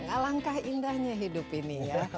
alangkah indahnya hidup ini ya